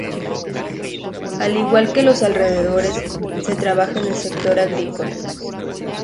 Al igual que en lo alrededores, se trabaja en el sector agrícola.